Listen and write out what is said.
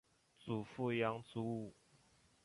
祖父杨祖武。